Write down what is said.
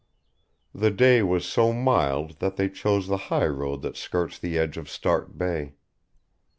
The day was so mild that they chose the high road that skirts the edge of Start Bay.